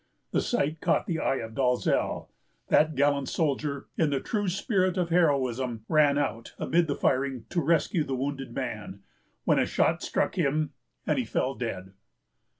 The sight caught the eye of Dalzell. That gallant soldier, in the true spirit of heroism, ran out, amid the firing, to rescue the wounded man, when a shot struck him, and he fell dead.